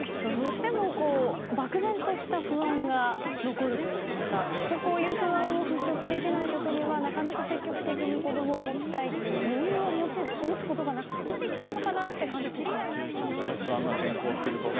どうしてもこういう話を聞くと漠然とした不安が残るといいますか不安を払しょくできないことには積極的に子供を持ちたいという余裕を持つことがなかなかできないかなと感じました。